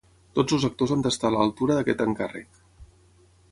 Tots els actors hem d'estar a l'altura d'aquest encàrrec.